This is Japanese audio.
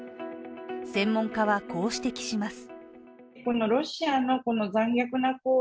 専門家は、こう指摘します。